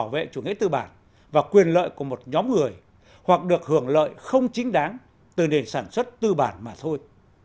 bảo vệ chủ nghĩa tư bản và quyền lợi của một nhóm người hoặc được hưởng lợi không chính đáng từ nền sản xuất tư bản mà thôi